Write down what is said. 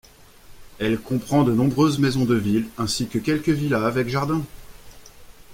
Elle comprend de nombreuses maisons de ville ainsi que quelques villas avec jardin.